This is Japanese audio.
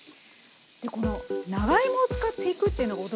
この長芋を使っていくっていうのが驚きだったんですけど。